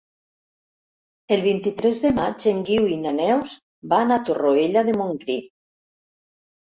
El vint-i-tres de maig en Guiu i na Neus van a Torroella de Montgrí.